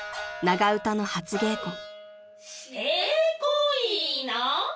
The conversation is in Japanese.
長唄の初稽古］